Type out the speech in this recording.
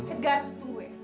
kegar tunggu ya